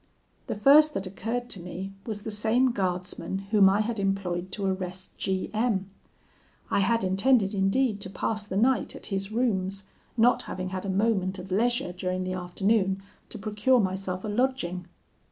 "The first that occurred to me was the same guardsman whom I had employed to arrest G M . I had intended indeed to pass the night at his rooms, not having had a moment of leisure during the afternoon to procure myself a lodging.